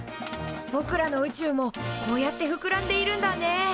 ぼくらの宇宙もこうやってふくらんでいるんだね。